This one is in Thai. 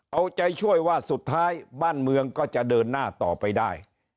เอาใจช่วยว่าสุดท้ายบ้านเมืองก็จะเดินหน้าต่อไปได้